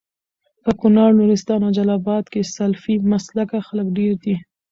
په کونړ، نورستان او جلال اباد کي سلفي مسلکه خلک ډير دي